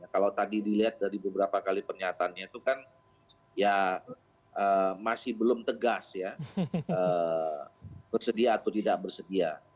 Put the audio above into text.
kalau tadi dilihat dari beberapa kali pernyataannya itu kan ya masih belum tegas ya bersedia atau tidak bersedia